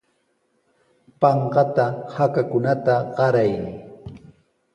Panqata hakakunata qaray.